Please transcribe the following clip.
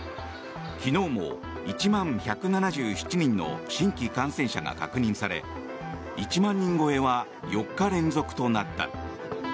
昨日も１万１７７人の新規感染者が確認され１万人超えは４日連続となった。